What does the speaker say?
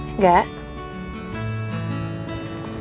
enggak kok kamu diem aja sih